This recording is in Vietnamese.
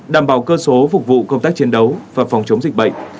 đảm bảo cơ số phục vụ công tác chiến đấu và phòng chống dịch bệnh